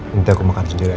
nanti aku makan aja aja